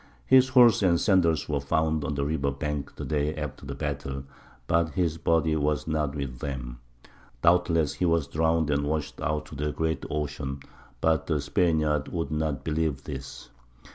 His horse and sandals were found on the river bank the day after the battle; but his body was not with them. Doubtless he was drowned and washed out to the great ocean. But the Spaniards would not believe this.